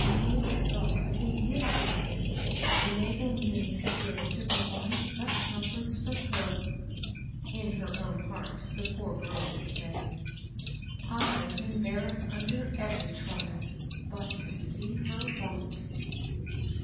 *^ May God, in his goodness, enable me still to provide such comforts for her! " in her own heart, the poor girl would say. I can bear up under every trial but to see her want